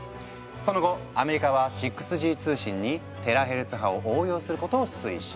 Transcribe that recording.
その後アメリカは６Ｇ通信にテラヘルツ波を応用することを推進。